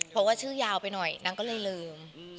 เพราะว่าชื่อยาวไปหน่อยนางก็เลยลืม